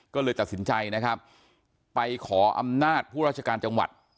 ก็เลยตัดสินใจนะครับไปขออำนาจผู้ราชการจังหวัด